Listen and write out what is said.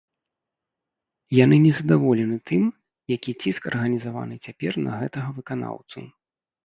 Яны не задаволены тым, які ціск арганізаваны цяпер на гэтага выканаўцу.